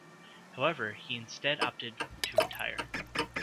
However, he instead opted to retire.